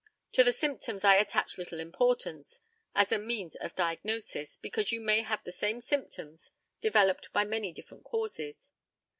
To the symptoms I attach little importance as a means of diagnosis, because you may have the same symptoms developed by many different causes.